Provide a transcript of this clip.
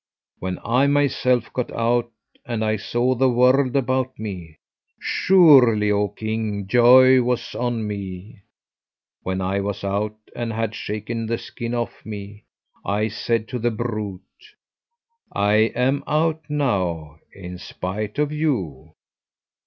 When I myself got out, and I saw the world about me, surely, oh, king! joy was on me. When I was out and had shaken the skin off me, I said to the brute, 'I am out now in spite of you.'